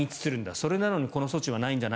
それなのにこの措置はない。